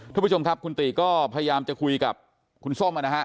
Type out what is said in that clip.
ทุกผู้ชมครับคุณติก็พยายามจะคุยกับคุณส้มนะฮะ